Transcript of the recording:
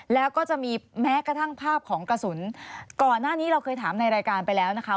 แล้วก็จะมีแม้กระทั่งภาพของกระสุนก่อนหน้านี้เราเคยถามในรายการไปแล้วนะคะ